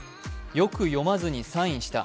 よく読まずにサインした。